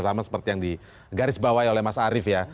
sama seperti yang digarisbawahi oleh mas arief ya